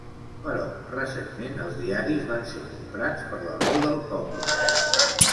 Però recentment els diaris van ser comprats per La Veu del Poble.